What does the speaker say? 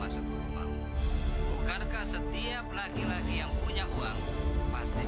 dengan cara cara kampungan pula